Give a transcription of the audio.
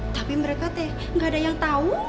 tapi mereka teh gak ada yang tahu